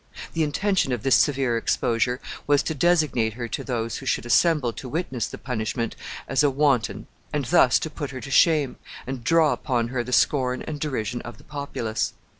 The intention of this severe exposure was to designate her to those who should assemble to witness the punishment as a wanton, and thus to put her to shame, and draw upon her the scorn and derision of the populace.